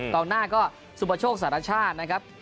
ต่างหน้าก็สุประโชคศาสนชาตินะครับ